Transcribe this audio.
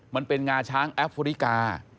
มันเป็นงาช้างแอฟริกา